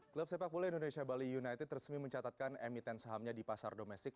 klub sepak bola indonesia bali united resmi mencatatkan emiten sahamnya di pasar domestik